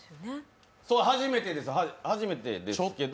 そう、初めてですけど。